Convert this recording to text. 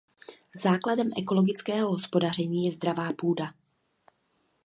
Základem ekologického hospodaření je zdravá půda.